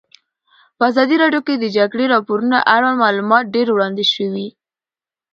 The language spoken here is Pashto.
په ازادي راډیو کې د د جګړې راپورونه اړوند معلومات ډېر وړاندې شوي.